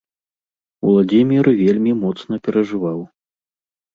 Уладзімір вельмі моцна перажываў.